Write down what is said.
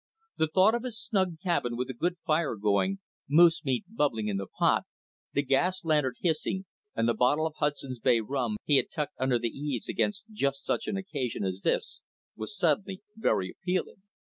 The thought of his snug cabin, with a good fire going, moosemeat bubbling in the pot, the gas lantern hissing, and the bottle of Hudson's Bay rum he had tucked under the eaves against just such an occasion as this, was suddenly very appealing.